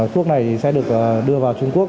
thuốc này sẽ được đưa vào trung quốc